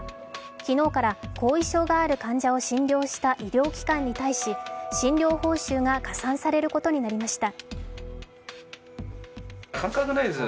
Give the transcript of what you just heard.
昨日から後遺症がある患者を診療した医療機関に対し診療報酬が加算されることになりました。